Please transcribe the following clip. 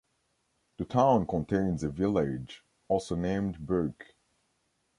The town contains a village also named Burke.